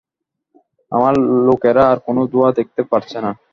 আমার লোকেরা আর কোন ধোঁয়া দেখতে পারছে না।